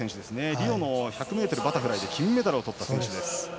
リオの１００ｍバタフライで金メダルをとった選手です。